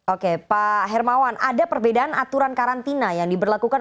oke pak hermawan ada perbedaan aturan karantina yang diberlakukan